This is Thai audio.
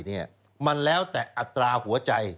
เนี่ยมันแล้วแต่อัตราหัวใจ